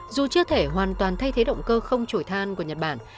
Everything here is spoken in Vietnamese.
dù chưa thể hoàn toàn thay thế động cơ không trổi than của nhật bản